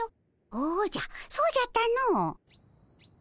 おじゃそうじゃったの。